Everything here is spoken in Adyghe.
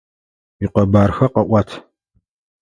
Уикъэбархэ къэӏуат!